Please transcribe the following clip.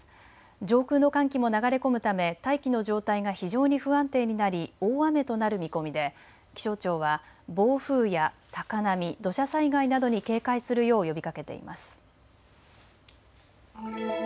上空の寒気も流れ込むため大気の状態が非常に不安定になり大雨となる見込みで気象庁は暴風や高波、土砂災害などに警戒するよう呼びかけています。